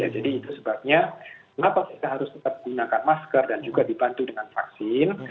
jadi itu sebabnya kenapa kita harus tetap menggunakan masker dan juga dibantu dengan vaksin